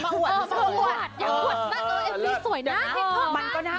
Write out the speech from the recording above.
กับเพลงที่มีชื่อว่ากี่รอบก็ได้